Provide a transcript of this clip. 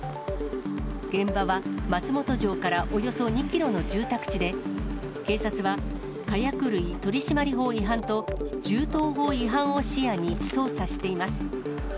現場は松本城からおよそ２キロの住宅地で、警察は火薬類取締法違反と銃刀法違反を視野に捜査しています。